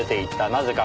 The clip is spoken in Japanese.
なぜか？